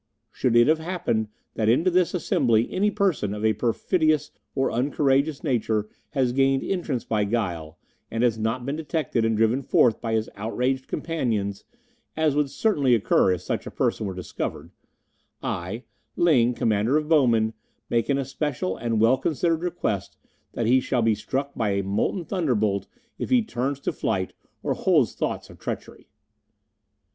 Should it have happened that into this assembly any person of a perfidious or uncourageous nature has gained entrance by guile, and has not been detected and driven forth by his outraged companions (as would certainly occur if such a person were discovered), I, Ling, Commander of Bowmen, make an especial and well considered request that he shall be struck by a molten thunderbolt if he turns to flight or holds thoughts of treachery."